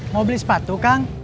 mau beli sepatu kang